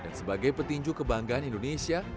dan sebagai petinju kebanggaan indonesia